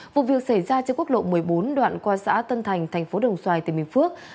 vụ việc xảy ra trên quốc lộ một mươi bốn đoạn qua xã tân thành thành phố đồng xoài tỉnh bình phước